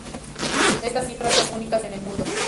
Estas cifras son únicas en el mundo.